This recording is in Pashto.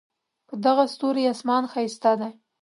په دغه ستوري آسمان ښایسته دی